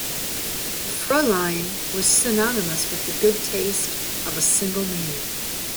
The "Frua line" was synonymous with the good taste of a single man.